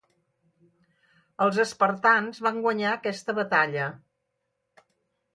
Els espartans van guanyar aquesta batalla.